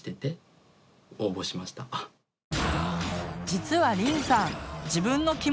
実はりんさん